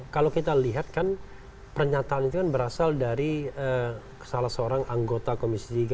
kalau kita lihat kan pernyataan itu kan berasal dari salah seorang anggota komisi tiga